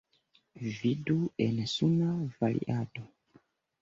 Vidu en suna variado.